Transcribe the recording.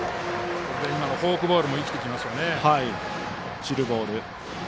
今のフォークボールも生きてきますよね。